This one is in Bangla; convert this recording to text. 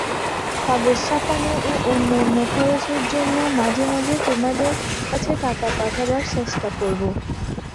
কাগজ ছাপানো ও অন্যান্য খরচের জন্য মাঝে মাঝে তোমাদের কাছে টাকা পাঠাবার চেষ্টা করব।